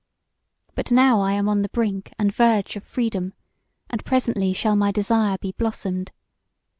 But now I am on the brink and verge of freedom, and presently shall my desire be blossomed.